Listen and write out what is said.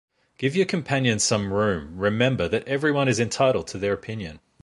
Give your companions some room, remember that everyone is entitled to their opinion.